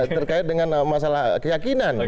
terkait dengan masalah keyakinan